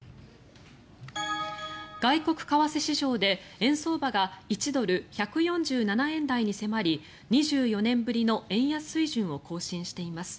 外国為替市場で円相場が１ドル＝１４７円台に迫り２４年ぶりの円安水準を更新しています。